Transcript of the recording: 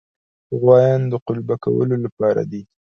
غوایان د قلبه کولو لپاره دي.